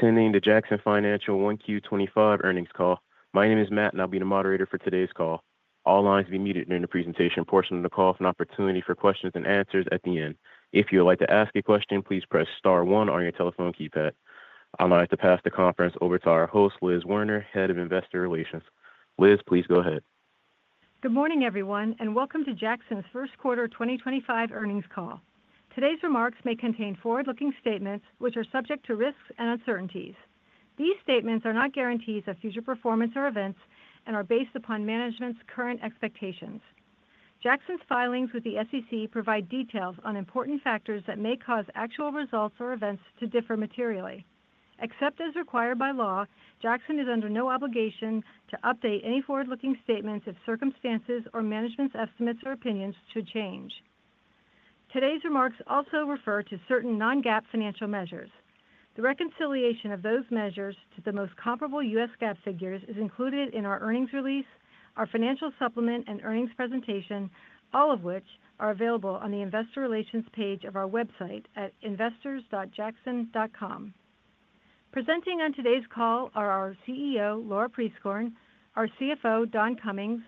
Attending the Jackson Financial 1Q 2025 earnings call. My name is Matt, and I'll be the moderator for today's call. All lines will be muted during the presentation portion of the call for an opportunity for questions and answers at the end. If you would like to ask a question, please press star one on your telephone keypad. I'm about to pass the conference over to our host, Liz Werner, Head of Investor Relations. Liz, please go ahead. Good morning, everyone, and welcome to Jackson's first quarter 2025 earnings call. Today's remarks may contain forward-looking statements, which are subject to risks and uncertainties. These statements are not guarantees of future performance or events and are based upon management's current expectations. Jackson's filings with the U.S. SEC provide details on important factors that may cause actual results or events to differ materially. Except as required by law, Jackson is under no obligation to update any forward-looking statements if circumstances or management's estimates or opinions should change. Today's remarks also refer to certain non-GAAP financial measures. The reconciliation of those measures to the most comparable U.S. GAAP figures is included in our earnings release, our financial supplement, and earnings presentation, all of which are available on the investor relations page of our website at investors.jackson.com. Presenting on today's call are our CEO, Laura Prieskorn, our CFO, Don Cummings,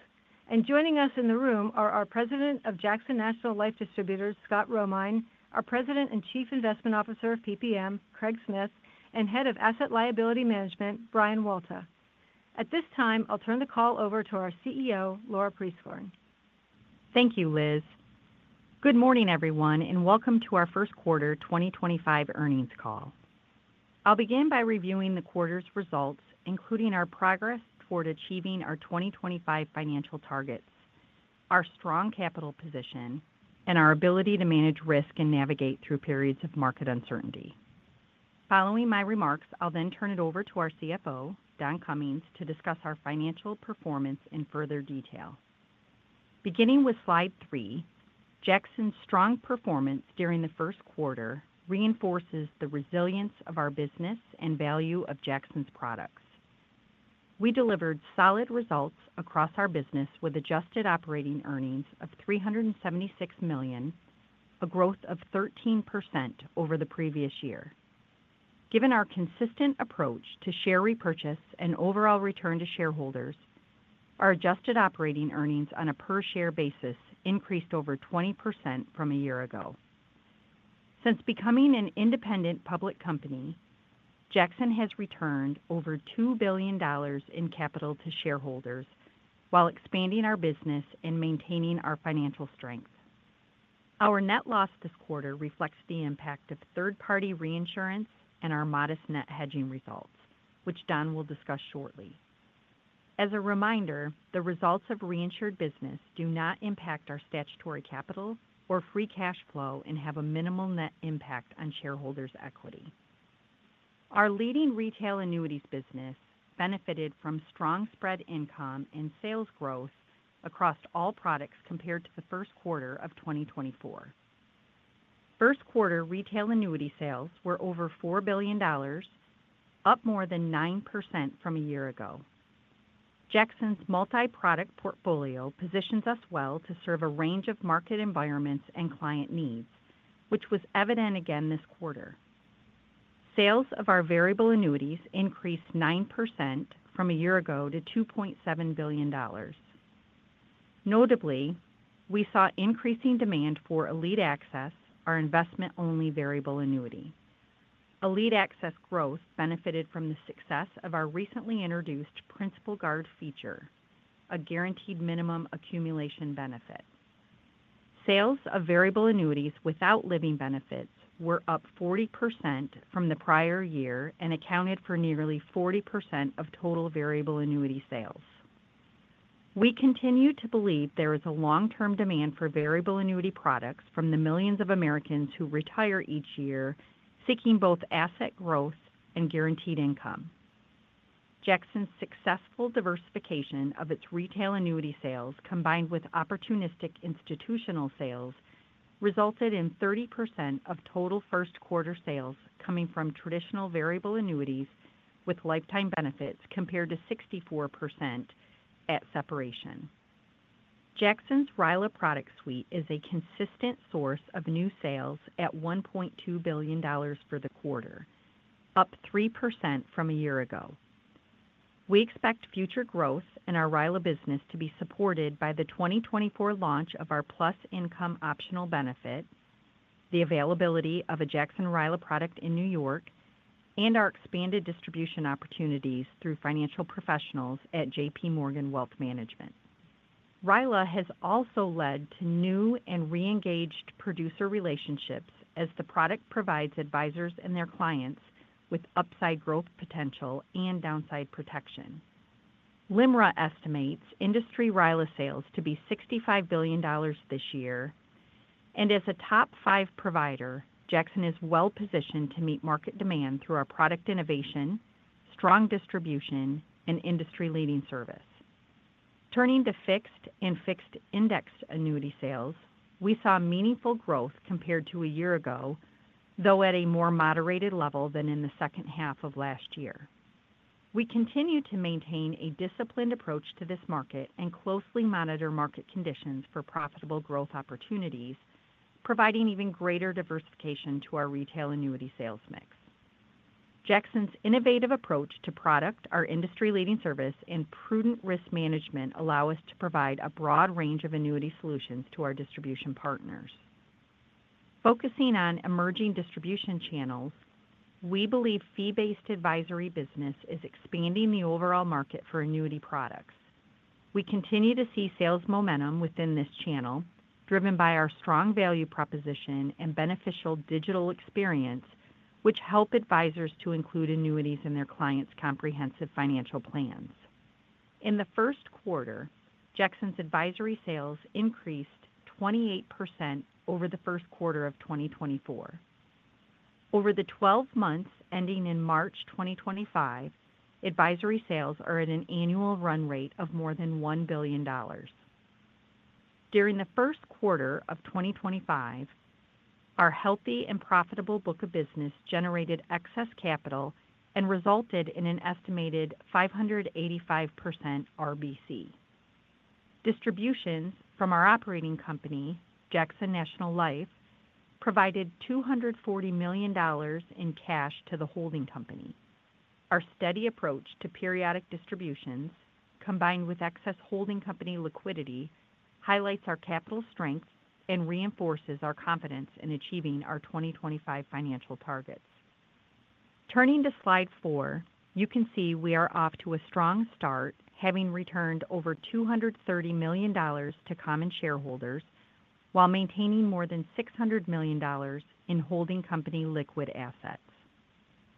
and joining us in the room are our President of Jackson National Life Distributors, Scott Romine, our President and Chief Investment Officer of PPM, Craig Smith, and Head of Asset Liability Management, Brian Walta. At this time, I'll turn the call over to our CEO, Laura Prieskorn. Thank you, Liz. Good morning, everyone, and welcome to our first quarter 2025 earnings call. I'll begin by reviewing the quarter's results, including our progress toward achieving our 2025 financial targets, our strong capital position, and our ability to manage risk and navigate through periods of market uncertainty. Following my remarks, I'll then turn it over to our CFO, Don Cummings, to discuss our financial performance in further detail. Beginning with slide three, Jackson's strong performance during the first quarter reinforces the resilience of our business and value of Jackson's products. We delivered solid results across our business with adjusted operating earnings of $376 million, a growth of 13% over the previous year. Given our consistent approach to share repurchase and overall return to shareholders, our adjusted operating earnings on a per-share basis increased over 20% from a year ago. Since becoming an independent public company, Jackson has returned over $2 billion in capital to shareholders while expanding our business and maintaining our financial strength. Our net loss this quarter reflects the impact of third-party reinsurance and our modest net hedging results, which Don will discuss shortly. As a reminder, the results of reinsured business do not impact our statutory capital or free cash flow and have a minimal net impact on shareholders' equity. Our leading retail annuities business benefited from strong spread income and sales growth across all products compared to the first quarter of 2024. First quarter retail annuity sales were over $4 billion, up more than 9% from a year ago. Jackson's multi-product portfolio positions us well to serve a range of market environments and client needs, which was evident again this quarter. Sales of our variable annuities increased 9% from a year ago to $2.7 billion. Notably, we saw increasing demand for Elite Access, our investment-only variable annuity. Elite Access growth benefited from the success of our recently introduced Principal Guard feature, a guaranteed minimum accumulation benefit. Sales of variable annuities without living benefits were up 40% from the prior year and accounted for nearly 40% of total variable annuity sales. We continue to believe there is a long-term demand for variable annuity products from the millions of Americans who retire each year, seeking both asset growth and guaranteed income. Jackson's successful diversification of its retail annuity sales, combined with opportunistic institutional sales, resulted in 30% of total first quarter sales coming from traditional variable annuities with lifetime benefits compared to 64% at separation. Jackson's RILA product suite is a consistent source of new sales at $1.2 billion for the quarter, up 3% from a year ago. We expect future growth in our RILA business to be supported by the 2024 launch of our Plus Income optional benefit, the availability of a Jackson RILA product in New York, and our expanded distribution opportunities through financial professionals at JPMorgan Wealth Management. RILA has also led to new and re-engaged producer relationships as the product provides advisors and their clients with upside growth potential and downside protection. LIMRA estimates industry RILA sales to be $65 billion this year, and as a top five provider, Jackson is well-positioned to meet market demand through our product innovation, strong distribution, and industry-leading service. Turning to fixed and fixed index annuity sales, we saw meaningful growth compared to a year ago, though at a more moderated level than in the second half of last year. We continue to maintain a disciplined approach to this market and closely monitor market conditions for profitable growth opportunities, providing even greater diversification to our retail annuity sales mix. Jackson's innovative approach to product, our industry-leading service, and prudent risk management allow us to provide a broad range of annuity solutions to our distribution partners. Focusing on emerging distribution channels, we believe fee-based advisory business is expanding the overall market for annuity products. We continue to see sales momentum within this channel, driven by our strong value proposition and beneficial digital experience, which help advisors to include annuities in their clients' comprehensive financial plans. In the first quarter, Jackson's advisory sales increased 28% over the first quarter of 2024. Over the 12 months ending in March 2025, advisory sales are at an annual run rate of more than $1 billion. During the first quarter of 2025, our healthy and profitable book of business generated excess capital and resulted in an estimated 585% RBC. Distributions from our operating company, Jackson National Life, provided $240 million in cash to the holding company. Our steady approach to periodic distributions, combined with excess holding company liquidity, highlights our capital strength and reinforces our confidence in achieving our 2025 financial targets. Turning to slide four, you can see we are off to a strong start, having returned over $230 million to common shareholders while maintaining more than $600 million in holding company liquid assets.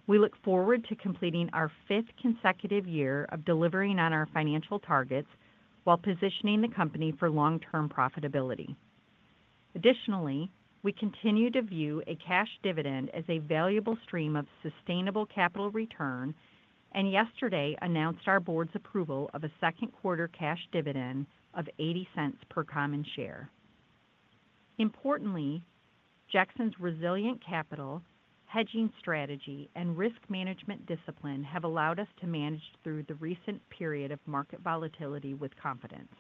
We look forward to completing our fifth consecutive year of delivering on our financial targets while positioning the company for long-term profitability. Additionally, we continue to view a cash dividend as a valuable stream of sustainable capital return, and yesterday announced our board's approval of a second quarter cash dividend of $0.80 per common share. Importantly, Jackson's resilient capital, hedging strategy, and risk management discipline have allowed us to manage through the recent period of market volatility with confidence.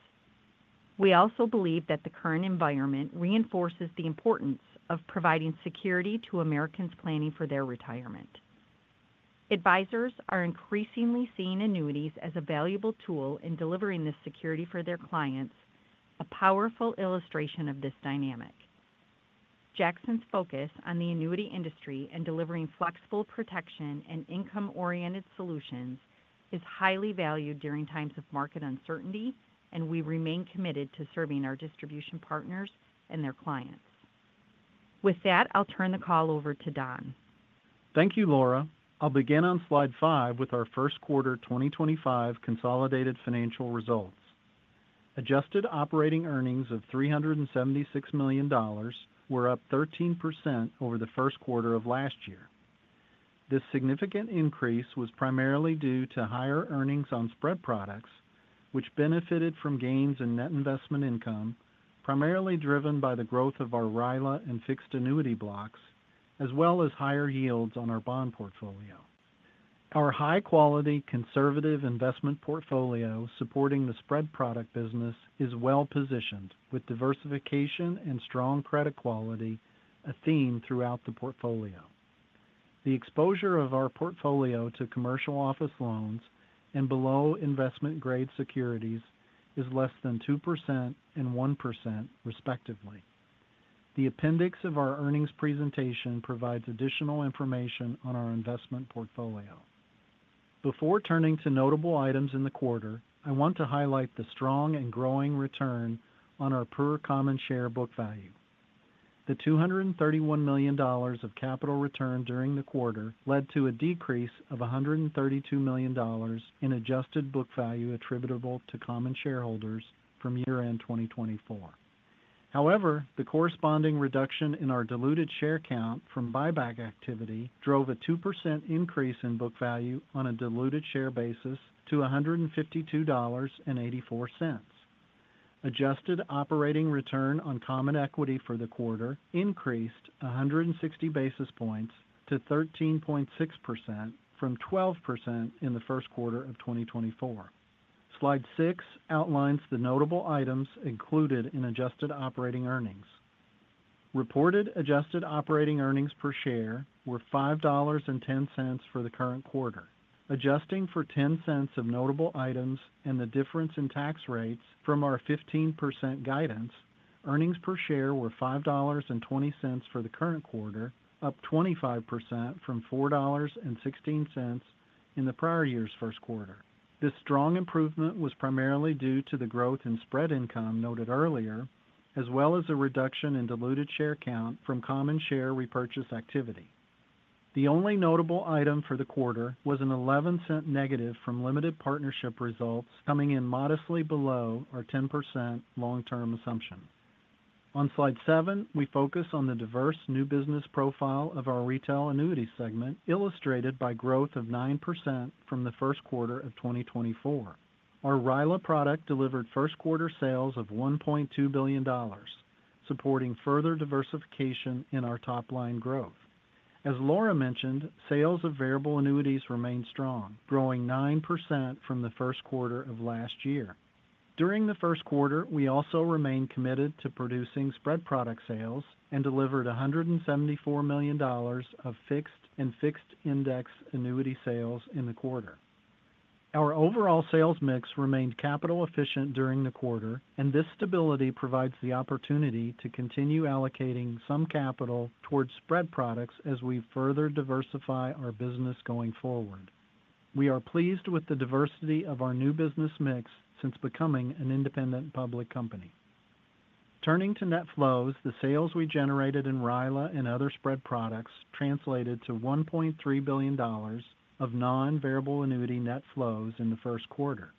We also believe that the current environment reinforces the importance of providing security to Americans planning for their retirement. Advisors are increasingly seeing annuities as a valuable tool in delivering this security for their clients, a powerful illustration of this dynamic. Jackson's focus on the annuity industry and delivering flexible protection and income-oriented solutions is highly valued during times of market uncertainty, and we remain committed to serving our distribution partners and their clients. With that, I'll turn the call over to Don. Thank you, Laura. I'll begin on slide five with our first quarter 2025 consolidated financial results. Adjusted operating earnings of $376 million were up 13% over the first quarter of last year. This significant increase was primarily due to higher earnings on spread products, which benefited from gains in net investment income, primarily driven by the growth of our RILA and fixed annuity blocks, as well as higher yields on our bond portfolio. Our high-quality conservative investment portfolio supporting the spread product business is well-positioned, with diversification and strong credit quality a theme throughout the portfolio. The exposure of our portfolio to commercial office loans and below investment-grade securities is less than 2% and 1%, respectively. The appendix of our earnings presentation provides additional information on our investment portfolio. Before turning to notable items in the quarter, I want to highlight the strong and growing return on our per common share book value. The $231 million of capital return during the quarter led to a decrease of $132 million in adjusted book value attributable to common shareholders from year-end 2024. However, the corresponding reduction in our diluted share count from buyback activity drove a 2% increase in book value on a diluted share basis to $152.84. Adjusted operating return on common equity for the quarter increased 160 basis points to 13.6% from 12% in the first quarter of 2024. Slide six outlines the notable items included in adjusted operating earnings. Reported adjusted operating earnings per share were $5.10 for the current quarter. Adjusting for $0.10 of notable items and the difference in tax rates from our 15% guidance, earnings per share were $5.20 for the current quarter, up 25% from $4.16 in the prior year's first quarter. This strong improvement was primarily due to the growth in spread income noted earlier, as well as a reduction in diluted share count from common share repurchase activity. The only notable item for the quarter was an $0.11 negative from limited partnership results, coming in modestly below our 10% long-term assumption. On slide seven, we focus on the diverse new business profile of our retail annuity segment, illustrated by growth of 9% from the first quarter of 2024. Our RILA product delivered first quarter sales of $1.2 billion, supporting further diversification in our top-line growth. As Laura mentioned, sales of variable annuities remained strong, growing 9% from the first quarter of last year. During the first quarter, we also remained committed to producing spread product sales and delivered $174 million of fixed and fixed index annuity sales in the quarter. Our overall sales mix remained capital efficient during the quarter, and this stability provides the opportunity to continue allocating some capital towards spread products as we further diversify our business going forward. We are pleased with the diversity of our new business mix since becoming an independent public company. Turning to net flows, the sales we generated in RILA and other spread products translated to $1.3 billion of non-variable annuity net flows in the first quarter.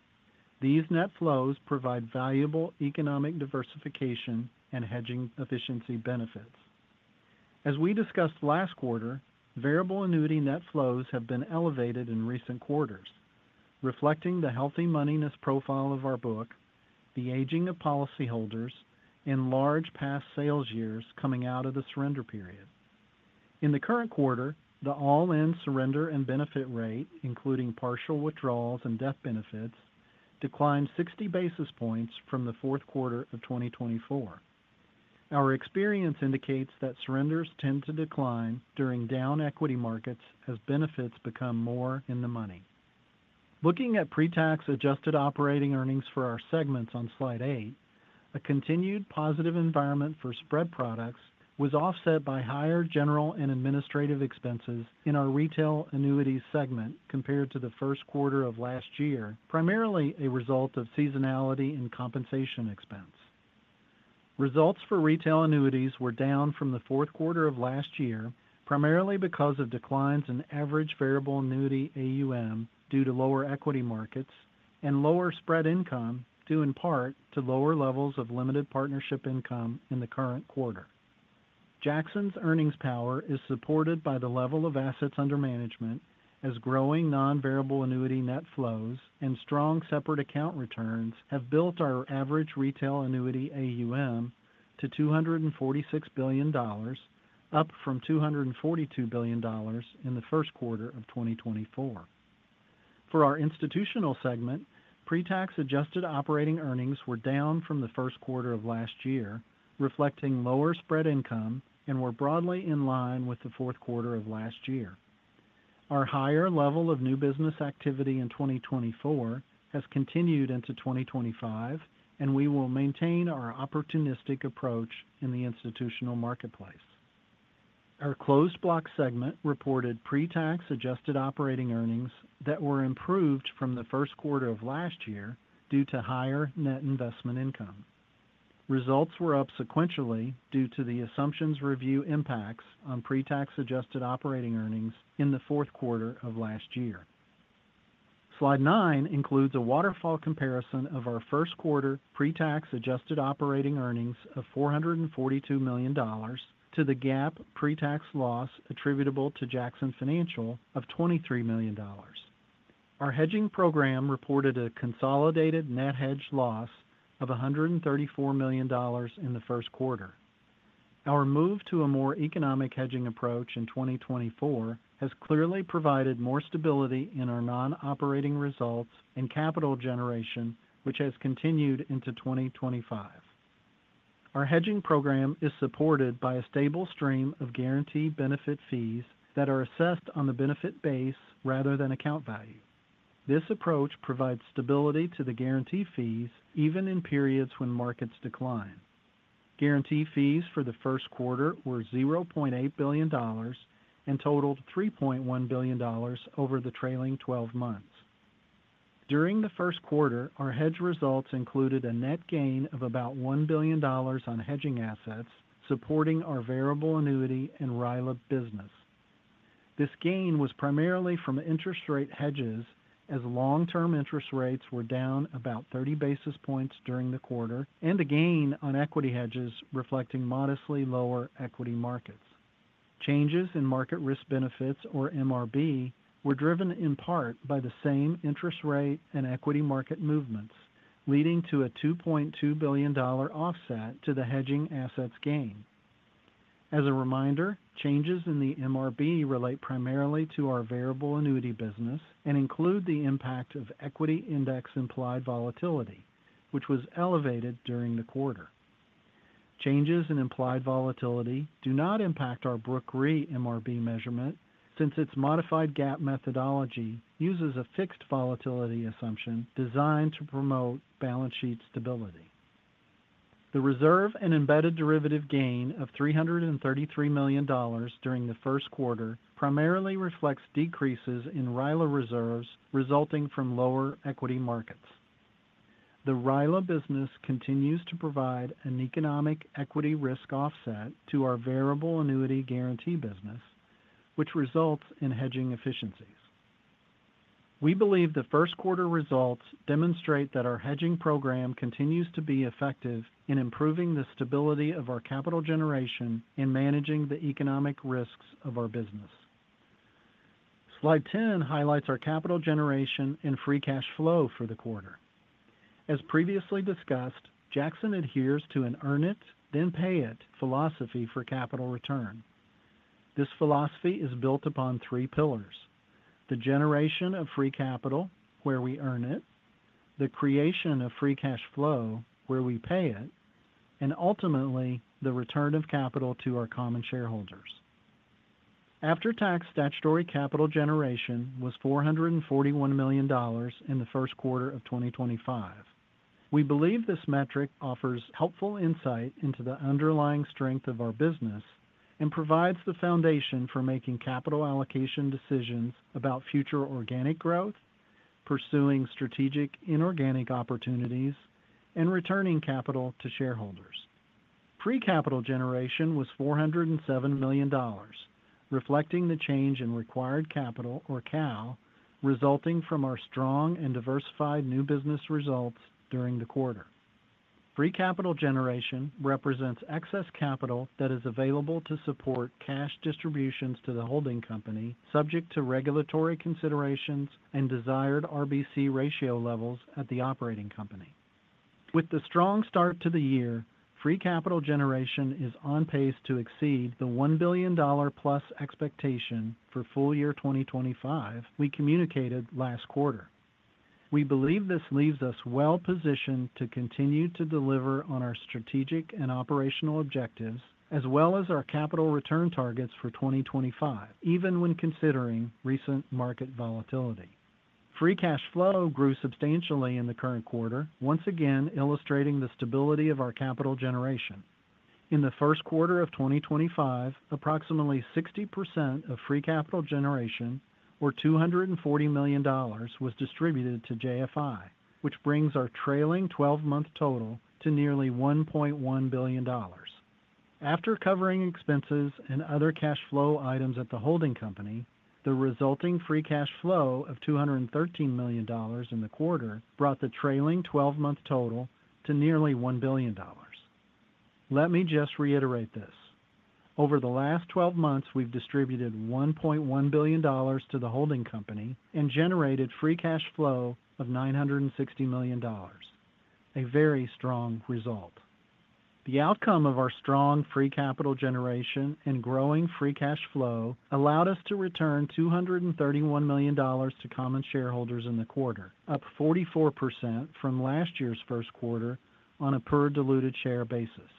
These net flows provide valuable economic diversification and hedging efficiency benefits. As we discussed last quarter, variable annuity net flows have been elevated in recent quarters, reflecting the healthy moneyness profile of our book, the aging of policyholders, and large past sales years coming out of the surrender period. In the current quarter, the all-in surrender and benefit rate, including partial withdrawals and death benefits, declined 60 basis points from the fourth quarter of 2024. Our experience indicates that surrenders tend to decline during down equity markets as benefits become more in the money. Looking at pre-tax adjusted operating earnings for our segments on slide eight, a continued positive environment for spread products was offset by higher general and administrative expenses in our retail annuities segment compared to the first quarter of last year, primarily a result of seasonality and compensation expense. Results for retail annuities were down from the fourth quarter of last year, primarily because of declines in average variable annuity AUM due to lower equity markets and lower spread income due in part to lower levels of limited partnership income in the current quarter. Jackson's earnings power is supported by the level of assets under management, as growing non-variable annuity net flows and strong separate account returns have built our average retail annuity AUM to $246 billion, up from $242 billion in the first quarter of 2024. For our institutional segment, pre-tax adjusted operating earnings were down from the first quarter of last year, reflecting lower spread income and were broadly in line with the fourth quarter of last year. Our higher level of new business activity in 2024 has continued into 2025, and we will maintain our opportunistic approach in the institutional marketplace. Our closed block segment reported pre-tax adjusted operating earnings that were improved from the first quarter of last year due to higher net investment income. Results were up sequentially due to the assumptions review impacts on pre-tax adjusted operating earnings in the fourth quarter of last year. Slide nine includes a waterfall comparison of our first quarter pre-tax adjusted operating earnings of $442 million to the GAAP pre-tax loss attributable to Jackson Financial of $23 million. Our hedging program reported a consolidated net hedge loss of $134 million in the first quarter. Our move to a more economic hedging approach in 2024 has clearly provided more stability in our non-operating results and capital generation, which has continued into 2025. Our hedging program is supported by a stable stream of guaranteed benefit fees that are assessed on the benefit base rather than account value. This approach provides stability to the guarantee fees even in periods when markets decline. Guarantee fees for the first quarter were $0.8 billion and totaled $3.1 billion over the trailing 12 months. During the first quarter, our hedge results included a net gain of about $1 billion on hedging assets supporting our variable annuity and RILA business. This gain was primarily from interest rate hedges, as long-term interest rates were down about 30 basis points during the quarter, and a gain on equity hedges reflecting modestly lower equity markets. Changes in market risk benefits, or MRB, were driven in part by the same interest rate and equity market movements, leading to a $2.2 billion offset to the hedging assets gain. As a reminder, changes in the MRB relate primarily to our variable annuity business and include the impact of equity index implied volatility, which was elevated during the quarter. Changes in implied volatility do not impact our Brooke Re MRB measurement since its modified gap methodology uses a fixed volatility assumption designed to promote balance sheet stability. The reserve and embedded derivative gain of $333 million during the first quarter primarily reflects decreases in RILA reserves resulting from lower equity markets. The RILA business continues to provide an economic equity risk offset to our variable annuity guarantee business, which results in hedging efficiencies. We believe the first quarter results demonstrate that our hedging program continues to be effective in improving the stability of our capital generation and managing the economic risks of our business. Slide 10 highlights our capital generation and free cash flow for the quarter. As previously discussed, Jackson adheres to an earn it, then pay it philosophy for capital return. This philosophy is built upon three pillars: the generation of free capital, where we earn it; the creation of free cash flow, where we pay it; and ultimately, the return of capital to our common shareholders. After-tax statutory capital generation was $441 million in the first quarter of 2025. We believe this metric offers helpful insight into the underlying strength of our business and provides the foundation for making capital allocation decisions about future organic growth, pursuing strategic inorganic opportunities, and returning capital to shareholders. Pre-capital generation was $407 million, reflecting the change in required capital, or CAL, resulting from our strong and diversified new business results during the quarter. Free capital generation represents excess capital that is available to support cash distributions to the holding company, subject to regulatory considerations and desired RBC ratio levels at the operating company. With the strong start to the year, free capital generation is on pace to exceed the $1 billion-plus expectation for full year 2025 we communicated last quarter. We believe this leaves us well positioned to continue to deliver on our strategic and operational objectives, as well as our capital return targets for 2025, even when considering recent market volatility. Free cash flow grew substantially in the current quarter, once again illustrating the stability of our capital generation. In the first quarter of 2025, approximately 60% of free capital generation, or $240 million, was distributed to JFI, which brings our trailing 12-month total to nearly $1.1 billion. After covering expenses and other cash flow items at the holding company, the resulting free cash flow of $213 million in the quarter brought the trailing 12-month total to nearly $1 billion. Let me just reiterate this. Over the last 12 months, we've distributed $1.1 billion to the holding company and generated free cash flow of $960 million, a very strong result. The outcome of our strong free capital generation and growing free cash flow allowed us to return $231 million to common shareholders in the quarter, up 44% from last year's first quarter on a per-diluted share basis.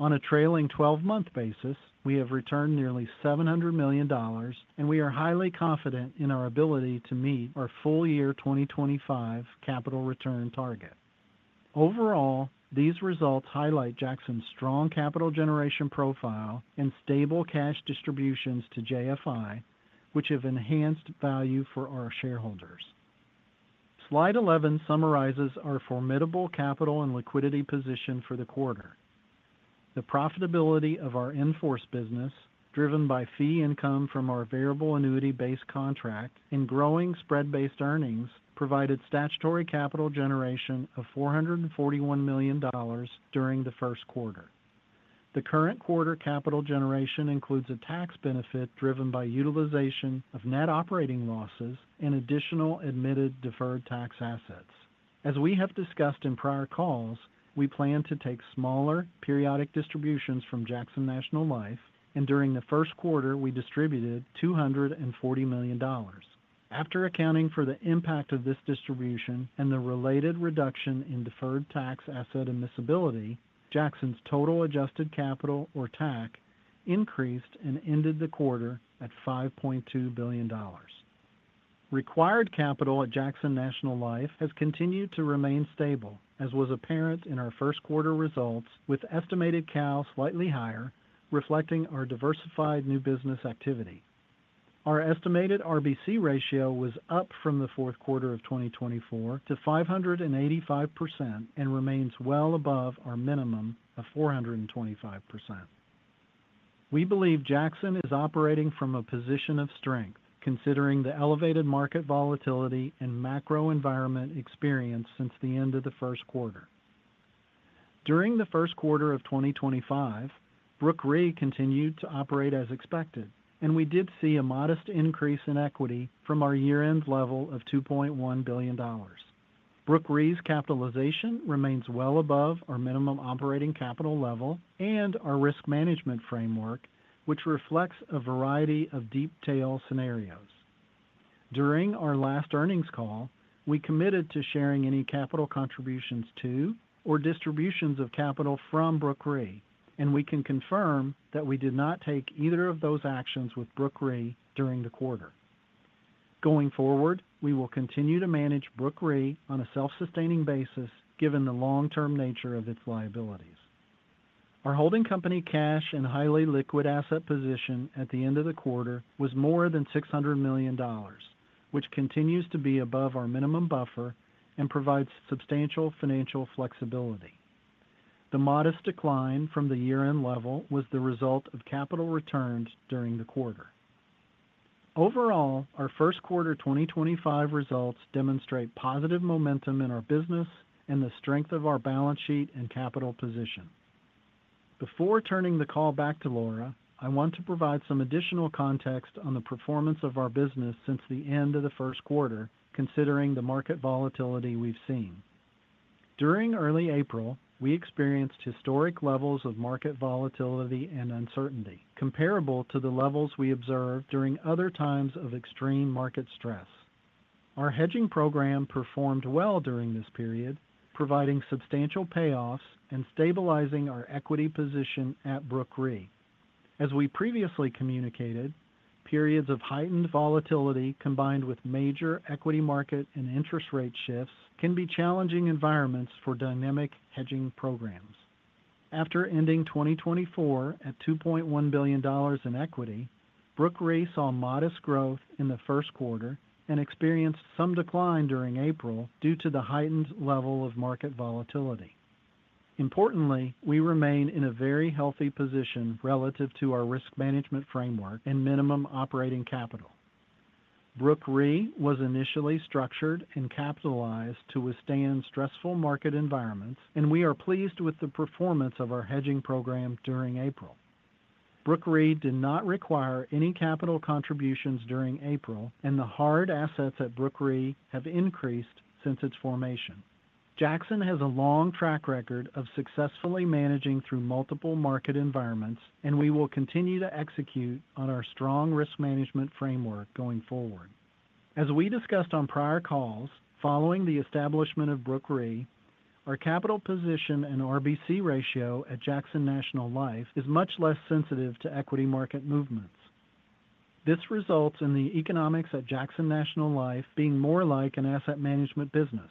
On a trailing 12-month basis, we have returned nearly $700 million, and we are highly confident in our ability to meet our full year 2025 capital return target. Overall, these results highlight Jackson's strong capital generation profile and stable cash distributions to JFI, which have enhanced value for our shareholders. Slide 11 summarizes our formidable capital and liquidity position for the quarter. The profitability of our enforced business, driven by fee income from our variable annuity-based contract and growing spread-based earnings, provided statutory capital generation of $441 million during the first quarter. The current quarter capital generation includes a tax benefit driven by utilization of net operating losses and additional admitted deferred tax assets. As we have discussed in prior calls, we plan to take smaller periodic distributions from Jackson National Life, and during the first quarter, we distributed $240 million. After accounting for the impact of this distribution and the related reduction in deferred tax asset admissibility, Jackson's total adjusted capital, or TAC, increased and ended the quarter at $5.2 billion. Required capital at Jackson National Life has continued to remain stable, as was apparent in our first quarter results, with estimated CAL slightly higher, reflecting our diversified new business activity. Our estimated RBC ratio was up from the fourth quarter of 2024 to 585% and remains well above our minimum of 425%. We believe Jackson is operating from a position of strength, considering the elevated market volatility and macro environment experienced since the end of the first quarter. During the first quarter of 2025, Brooke Re continued to operate as expected, and we did see a modest increase in equity from our year-end level of $2.1 billion. Brooke Re's capitalization remains well above our minimum operating capital level and our risk management framework, which reflects a variety of deep tail scenarios. During our last earnings call, we committed to sharing any capital contributions to or distributions of capital from Brooke Re, and we can confirm that we did not take either of those actions with Brooke Re during the quarter. Going forward, we will continue to manage Brooke Re on a self-sustaining basis, given the long-term nature of its liabilities. Our holding company cash and highly liquid asset position at the end of the quarter was more than $600 million, which continues to be above our minimum buffer and provides substantial financial flexibility. The modest decline from the year-end level was the result of capital returns during the quarter. Overall, our first quarter 2025 results demonstrate positive momentum in our business and the strength of our balance sheet and capital position. Before turning the call back to Laura, I want to provide some additional context on the performance of our business since the end of the first quarter, considering the market volatility we've seen. During early April, we experienced historic levels of market volatility and uncertainty, comparable to the levels we observed during other times of extreme market stress. Our hedging program performed well during this period, providing substantial payoffs and stabilizing our equity position at Brooke Re. As we previously communicated, periods of heightened volatility combined with major equity market and interest rate shifts can be challenging environments for dynamic hedging programs. After ending 2024 at $2.1 billion in equity, Brooke Re saw modest growth in the first quarter and experienced some decline during April due to the heightened level of market volatility. Importantly, we remain in a very healthy position relative to our risk management framework and minimum operating capital. Brooke Re was initially structured and capitalized to withstand stressful market environments, and we are pleased with the performance of our hedging program during April. Brooke Re did not require any capital contributions during April, and the hard assets at Brooke Re have increased since its formation. Jackson has a long track record of successfully managing through multiple market environments, and we will continue to execute on our strong risk management framework going forward. As we discussed on prior calls, following the establishment of Brooke Re, our capital position and RBC ratio at Jackson National Life is much less sensitive to equity market movements. This results in the economics at Jackson National Life being more like an asset management business.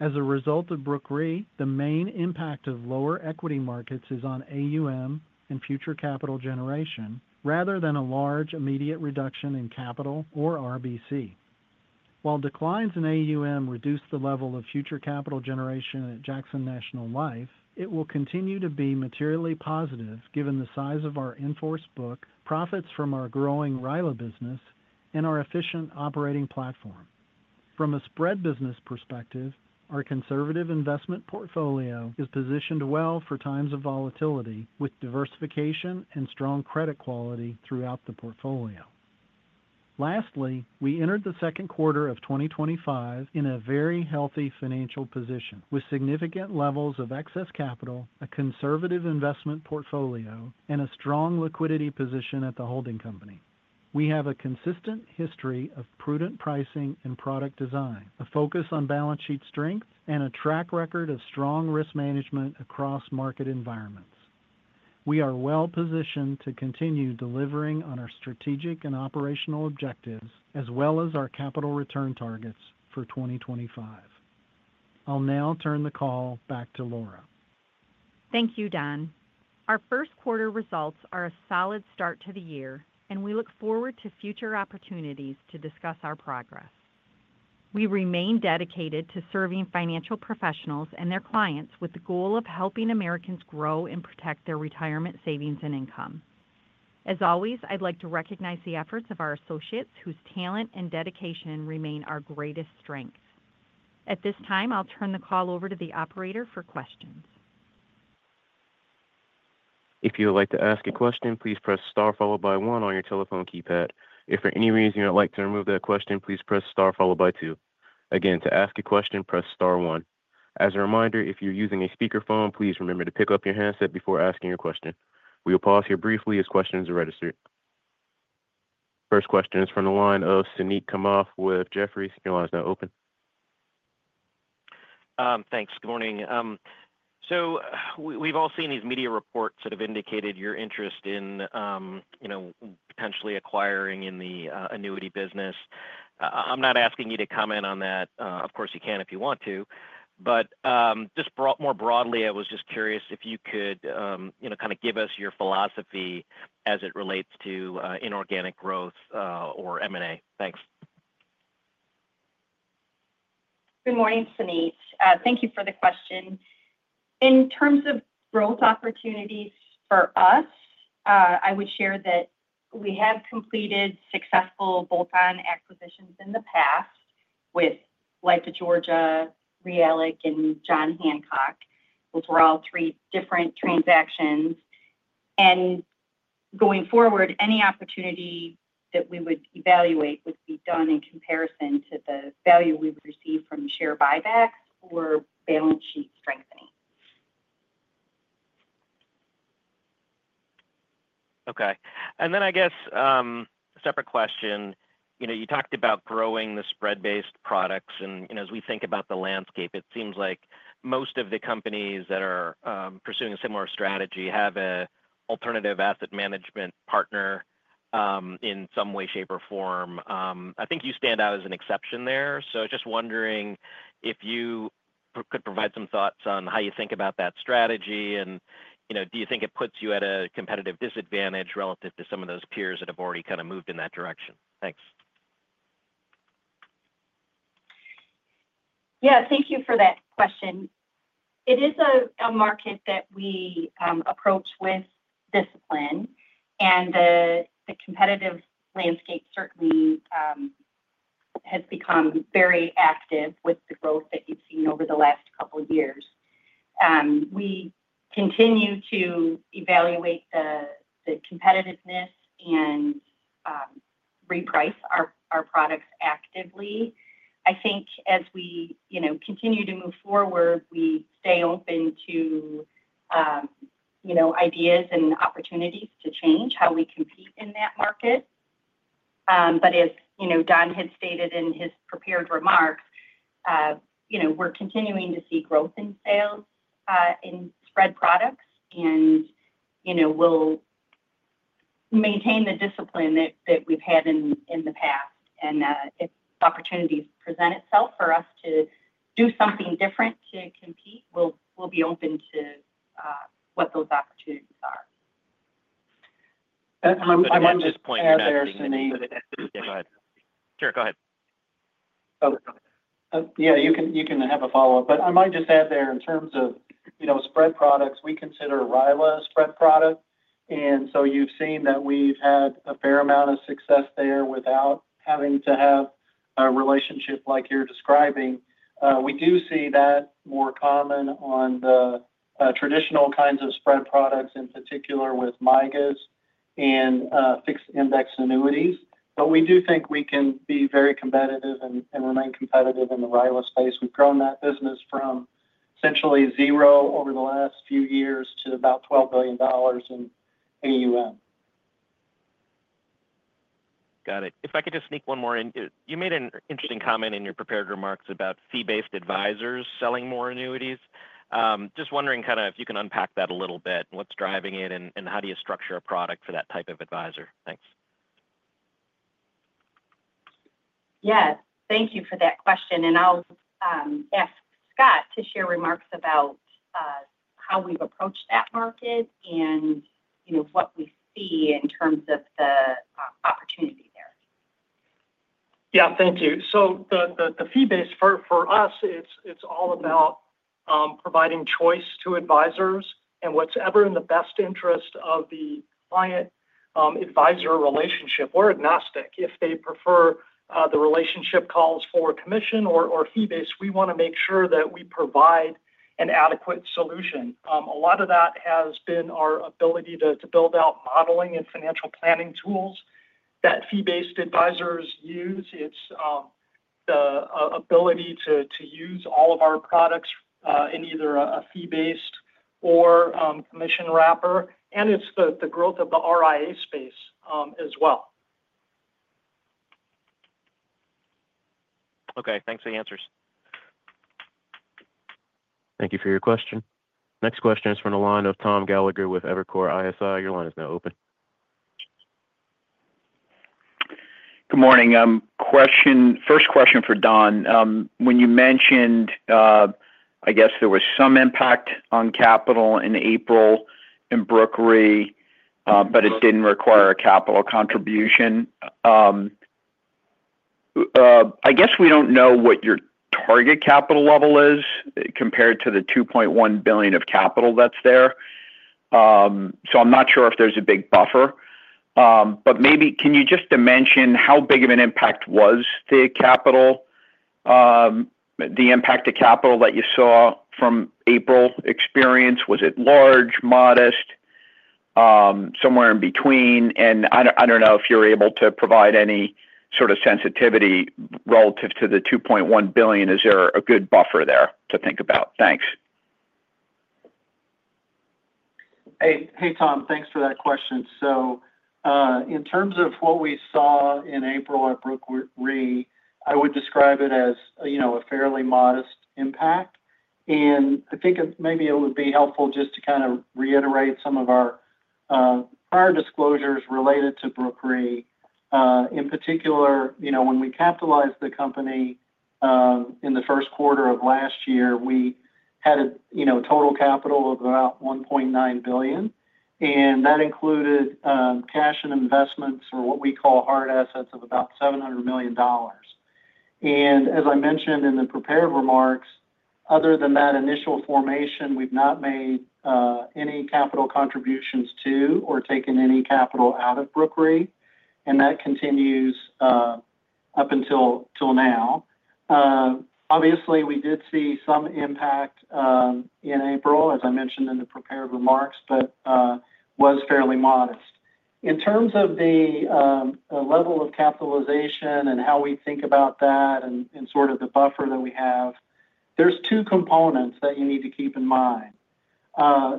As a result of Brooke Re, the main impact of lower equity markets is on AUM and future capital generation rather than a large immediate reduction in capital or RBC. While declines in AUM reduce the level of future capital generation at Jackson National Life, it will continue to be materially positive given the size of our enforced book, profits from our growing RILA business, and our efficient operating platform. From a spread business perspective, our conservative investment portfolio is positioned well for times of volatility with diversification and strong credit quality throughout the portfolio. Lastly, we entered the second quarter of 2025 in a very healthy financial position with significant levels of excess capital, a conservative investment portfolio, and a strong liquidity position at the holding company. We have a consistent history of prudent pricing and product design, a focus on balance sheet strength, and a track record of strong risk management across market environments. We are well positioned to continue delivering on our strategic and operational objectives, as well as our capital return targets for 2025. I'll now turn the call back to Laura. Thank you, Don. Our first quarter results are a solid start to the year, and we look forward to future opportunities to discuss our progress. We remain dedicated to serving financial professionals and their clients with the goal of helping Americans grow and protect their retirement savings and income. As always, I'd like to recognize the efforts of our associates, whose talent and dedication remain our greatest strength. At this time, I'll turn the call over to the operator for questions. If you would like to ask a question, please press star followed by one on your telephone keypad. If for any reason you'd like to remove that question, please press star followed by two. Again, to ask a question, press star one. As a reminder, if you're using a speakerphone, please remember to pick up your handset before asking your question. We will pause here briefly as questions are registered. First question is from the line of Suneet Kamath with Jefferies. Your line is now open. Thanks. Good morning. We have all seen these media reports that have indicated your interest in potentially acquiring in the annuity business. I am not asking you to comment on that. Of course, you can if you want to. Just more broadly, I was just curious if you could kind of give us your philosophy as it relates to inorganic growth or M&A. Thanks. Good morning, Suneet. Thank you for the question. In terms of growth opportunities for us, I would share that we have completed successful bolt-on acquisitions in the past with LifeTO, Georgia, Reallic, and John Hancock, which were all three different transactions. Going forward, any opportunity that we would evaluate would be done in comparison to the value we would receive from share buybacks or balance sheet strengthening. Okay. I guess a separate question. You talked about growing the spread-based products, and as we think about the landscape, it seems like most of the companies that are pursuing a similar strategy have an alternative asset management partner in some way, shape, or form. I think you stand out as an exception there. Just wondering if you could provide some thoughts on how you think about that strategy, and do you think it puts you at a competitive disadvantage relative to some of those peers that have already kind of moved in that direction? Thanks. Yeah. Thank you for that question. It is a market that we approach with discipline, and the competitive landscape certainly has become very active with the growth that you've seen over the last couple of years. We continue to evaluate the competitiveness and reprice our products actively. I think as we continue to move forward, we stay open to ideas and opportunities to change how we compete in that market. As Don had stated in his prepared remarks, we're continuing to see growth in sales in spread products, and we'll maintain the discipline that we've had in the past. If opportunities present itself for us to do something different to compete, we'll be open to what those opportunities are. I might just point out there. Suneet—yeah, Go ahead. Sure. Go ahead. Yeah. You can have a follow-up. I might just add there in terms of spread products, we consider RILA a spread product. You have seen that we've had a fair amount of success there without having to have a relationship like you're describing. We do see that more common on the traditional kinds of spread products, in particular with MIGAs and fixed index annuities. We do think we can be very competitive and remain competitive in the RILA space. We have grown that business from essentially zero over the last few years to about $12 billion in AUM. Got it. If I could just sneak one more in. You made an interesting comment in your prepared remarks about fee-based advisors selling more annuities. Just wondering kind of if you can unpack that a little bit, what's driving it, and how do you structure a product for that type of advisor? Thanks. Yeah. Thank you for that question. I will ask Scott to share remarks about how we have approached that market and what we see in terms of the opportunity there. Yeah. Thank you. The fee-based for us, it's all about providing choice to advisors and what's ever in the best interest of the client-advisor relationship. We're agnostic. If they prefer the relationship calls for commission or fee-based, we want to make sure that we provide an adequate solution. A lot of that has been our ability to build out modeling and financial planning tools that fee-based advisors use. It's the ability to use all of our products in either a fee-based or commission wrapper. It's the growth of the RIA space as well. Okay. Thanks for the answers. Thank you for your question. Next question is from the line of Tom Gallagher with Evercore ISI. Your line is now open. Good morning. First question for Don. When you mentioned, I guess there was some impact on capital in April in Brooke Re, but it did not require a capital contribution. I guess we do not know what your target capital level is compared to the $2.1 billion of capital that is there. I am not sure if there is a big buffer. Maybe can you just dimension how big of an impact was the capital? The impact of capital that you saw from April experience, was it large, modest, somewhere in between? I do not know if you are able to provide any sort of sensitivity relative to the $2.1 billion. Is there a good buffer there to think about? Thanks. Hey, Tom. Thanks for that question. In terms of what we saw in April at Brooke Re, I would describe it as a fairly modest impact. I think maybe it would be helpful just to kind of reiterate some of our prior disclosures related to Brooke Re. In particular, when we capitalized the company in the first quarter of last year, we had a total capital of about $1.9 billion. That included cash and investments or what we call hard assets of about $700 million. As I mentioned in the prepared remarks, other than that initial formation, we've not made any capital contributions to or taken any capital out of Brooke Re. That continues up until now. Obviously, we did see some impact in April, as I mentioned in the prepared remarks, but it was fairly modest. In terms of the level of capitalization and how we think about that and sort of the buffer that we have, there are two components that you need to keep in mind.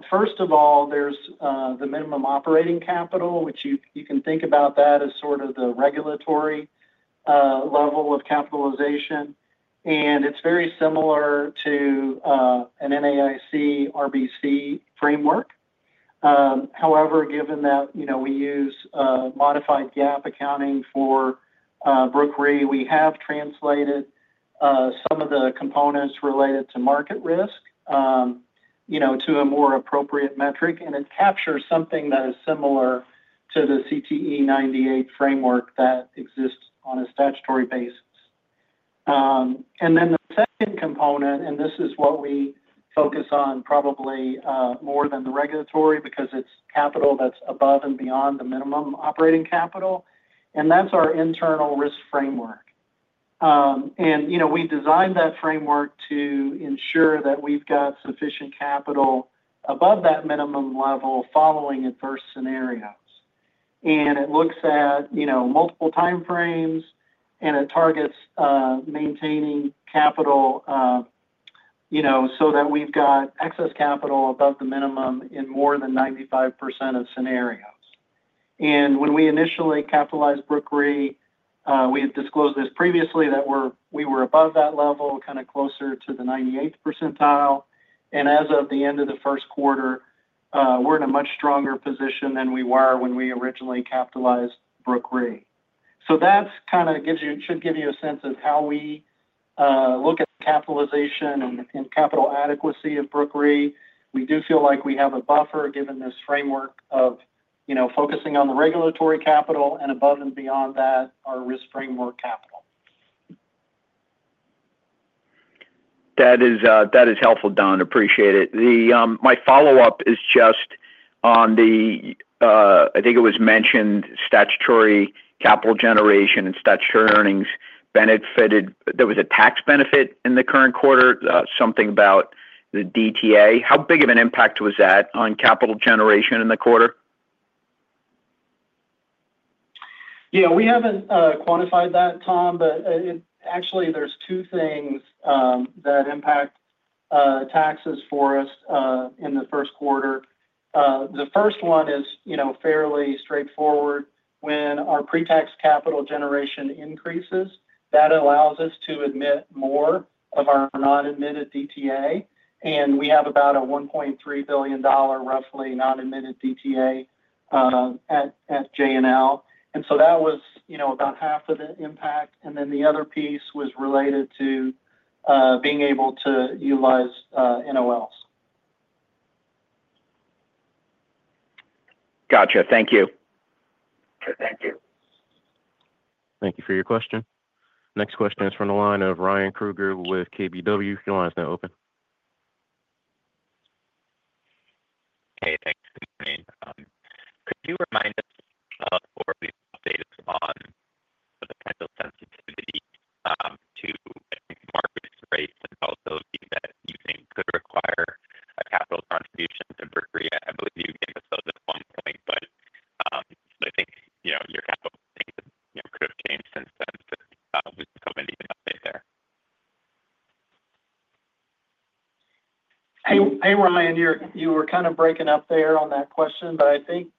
First of all, there's the minimum operating capital, which you can think about as sort of the regulatory level of capitalization. It's very similar to an NAIC RBC framework. However, given that we use modified GAAP accounting for Brooke Re, we have translated some of the components related to market risk to a more appropriate metric. It captures something that is similar to the CTE 98 framework that exists on a statutory basis. The second component, and this is what we focus on probably more than the regulatory because it's capital that's above and beyond the minimum operating capital, is our internal risk framework. We designed that framework to ensure that we've got sufficient capital above that minimum level following adverse scenarios. It looks at multiple timeframes, and it targets maintaining capital so that we've got excess capital above the minimum in more than 95% of scenarios. When we initially capitalized Brooke Re, we had disclosed this previously that we were above that level, kind of closer to the 98th percentile. As of the end of the first quarter, we're in a much stronger position than we were when we originally capitalized Brooke Re. That kind of should give you a sense of how we look at capitalization and capital adequacy of Brooke Re. We do feel like we have a buffer given this framework of focusing on the regulatory capital and above and beyond that, our risk framework capital. That is helpful, Don. Appreciate it. My follow-up is just on the, I think it was mentioned, statutory capital generation and statutory earnings benefited. There was a tax benefit in the current quarter, something about the DTA. How big of an impact was that on capital generation in the quarter? Yeah. We haven't quantified that, Tom. Actually, there are two things that impact taxes for us in the first quarter. The first one is fairly straightforward. When our pre-tax capital generation increases, that allows us to admit more of our non-admitted DTA. We have about a $1.3 billion, roughly, non-admitted DTA at J&L. That was about half of the impact. The other piece was related to being able to utilize NOLs. Gotcha. Thank you. Thank you. Thank you for your question. Next question is from the line of Ryan Krueger with KBW. Your line is now open. Hey, thanks. Could you remind us of or the updates on the kind of sensitivity to market rates and also the events you think could require a capital contribution to Brooke Re? I believe you gave us those at one point. I think your capital things could have changed since then. Just a couple of updates there. Hey, Ryan. You were kind of breaking up there on that question. I think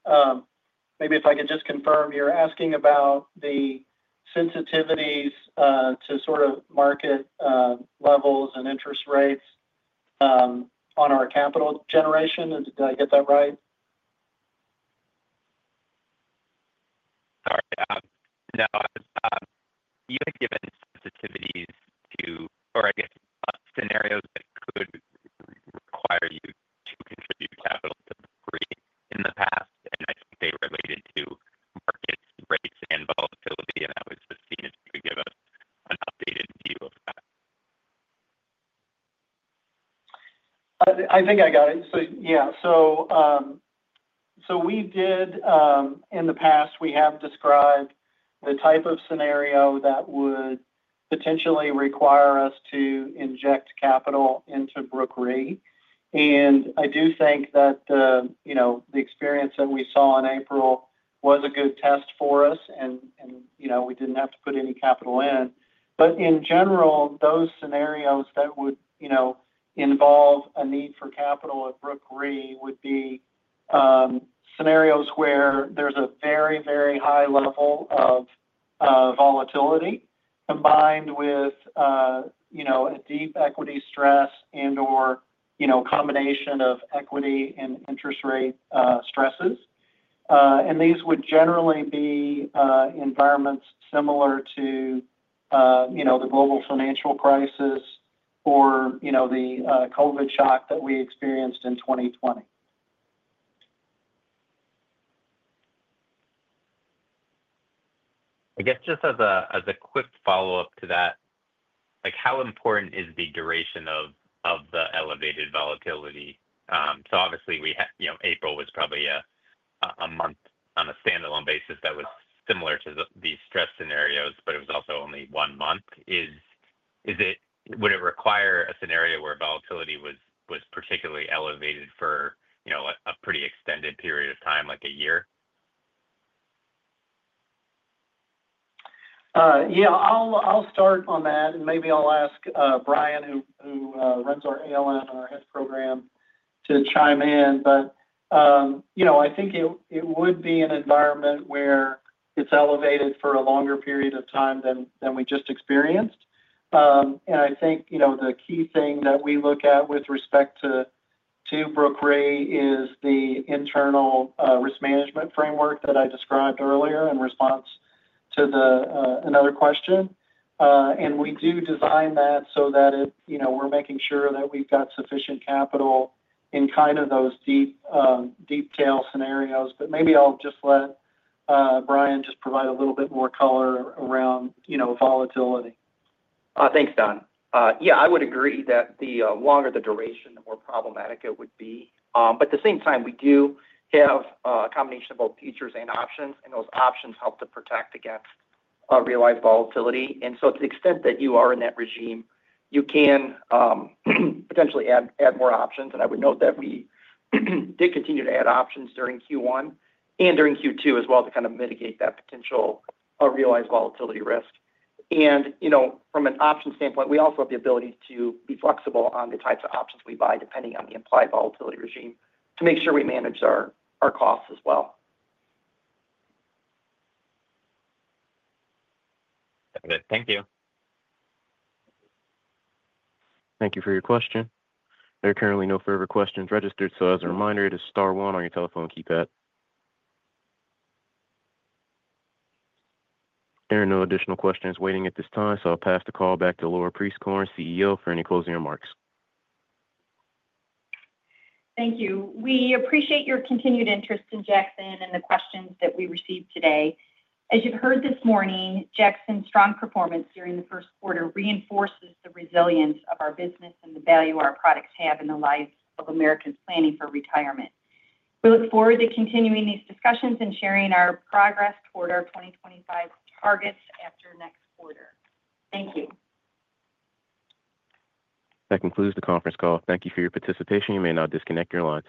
maybe if I could just confirm, you are asking about the sensitivities to sort of market levels and interest rates on our capital generation. Did I get that right? Sorry. No. You had given sensitivities to, or I guess, scenarios that could require you to contribute capital to Brooke Re in the past. I think they related to market rates and volatility. I was just seeing if you could give us an updated view of that. I think I got it. In the past, we have described the type of scenario that would potentially require us to inject capital into Brooke Re. I do think that the experience that we saw in April was a good test for us, and we did not have to put any capital in. In general, those scenarios that would involve a need for capital at Brooke Re would be scenarios where there is a very, very high level of volatility combined with a deep equity stress and/or a combination of equity and interest rate stresses. These would generally be environments similar to the global financial crisis or the COVID shock that we experienced in 2020. I guess just as a quick follow-up to that, how important is the duration of the elevated volatility? Obviously, April was probably a month on a standalone basis that was similar to these stress scenarios, but it was also only one month. Would it require a scenario where volatility was particularly elevated for a pretty extended period of time, like a year? Yeah. I'll start on that. Maybe I'll ask Brian, who runs our ALM and our HESC program, to chime in. I think it would be an environment where it's elevated for a longer period of time than we just experienced. I think the key thing that we look at with respect to Brooke Re is the internal risk management framework that I described earlier in response to another question. We do design that so that we're making sure that we've got sufficient capital in kind of those deep-tail scenarios. Maybe I'll just let Brian provide a little bit more color around volatility. Thanks, Don. Yeah. I would agree that the longer the duration, the more problematic it would be. At the same time, we do have a combination of both features and options. Those options help to protect against realized volatility. To the extent that you are in that regime, you can potentially add more options. I would note that we did continue to add options during Q1 and during Q2 as well to kind of mitigate that potential realized volatility risk. From an option standpoint, we also have the ability to be flexible on the types of options we buy depending on the implied volatility regime to make sure we manage our costs as well. Thank you. Thank you for your question. There are currently no further questions registered. As a reminder, it is Star 1 on your telephone keypad. There are no additional questions waiting at this time. I'll pass the call back to Laura Prieskorn, CEO, for any closing remarks. Thank you. We appreciate your continued interest in Jackson and the questions that we received today. As you've heard this morning, Jackson's strong performance during the first quarter reinforces the resilience of our business and the value our products have in the lives of Americans planning for retirement. We look forward to continuing these discussions and sharing our progress toward our 2025 targets after next quarter. That concludes the conference call. Thank you for your participation. You may now disconnect your line.